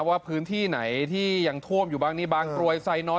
ว่าพื้นที่ไหนที่ยังท่วมอยู่บ้างนี้บางกรวยไซน้อย